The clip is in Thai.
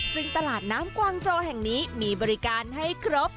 ซึ่งตลาดน้ำกวางโจแห่งนี้มีบริการให้ครบ